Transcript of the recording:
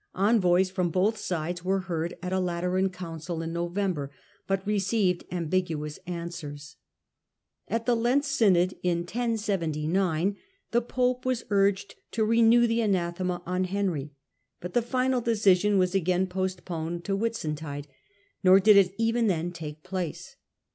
Envoys from both sides were heard at a Lateran council in November, but received ambiguous answers. At the Lent synod in 1079 the pope was urged to renew the anathema on Henry, but the final decision was again postponed to Whitsuntide, nor did it even then take place.